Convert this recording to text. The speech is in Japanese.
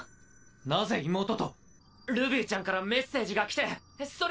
なぜ妹と⁉ルビーちゃんからメッセージが来てそれで！